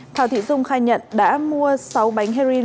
thảo thị dung khai nhận đã mua sáu bánh heroin